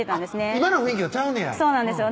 今の雰囲気とちゃうねやそうなんですよ